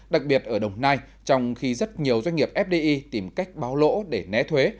đặc biệt ở đồng nai trong khi rất nhiều doanh nghiệp fdi tìm cách báo lỗ để né thuế